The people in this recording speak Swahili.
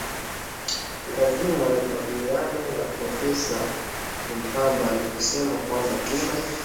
lazima nikubaliane na profesa lipumba alivyosema kwamba tume